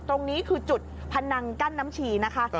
ตรงนี้คือจุดพนังกั้นน้ำชีนะคะ